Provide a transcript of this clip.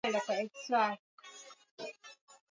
Wanamichezo tunapswa kumkumbuka Hayati Karume